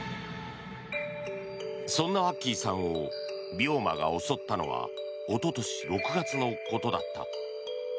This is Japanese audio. そんなワッキーさんを病魔が襲ったのはおととし６月のことだった。